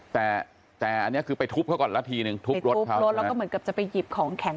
แต่แต่อันนี้คือไปทุบเขาก่อนละทีนึงทุบรถทุบรถแล้วก็เหมือนกับจะไปหยิบของแข็ง